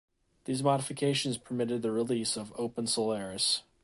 These modifications permitted the release of OpenSolaris.